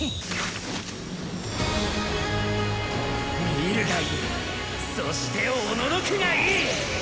見るがいいそしておののくがいい！